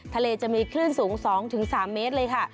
ทะเลจะมีคลื่นสูง๒๓เมตรเลยค่ะ